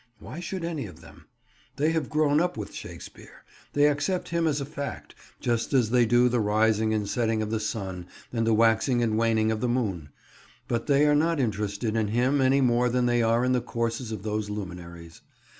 Why should any of them? They have grown up with Shakespeare; they accept him as a fact, just as they do the rising and setting of the sun and the waxing and waning of the moon; but they are not interested in him any more than they are in the courses of those luminaries.